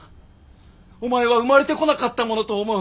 「お前は生まれてこなかったものと思う」